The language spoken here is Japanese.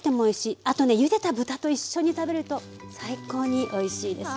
あとねゆでた豚と一緒に食べると最高においしいですよ。